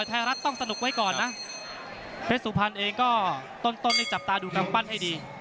เพชรสุพรรณเองก็ต้นในจับตาดูกับปั้นให้ดี